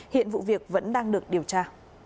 hiện vụ việc vẫn đang được điều tra